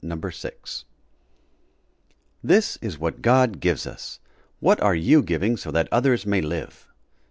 _ [Illustration: This is what GOD gives us. What are you giving so that others may live?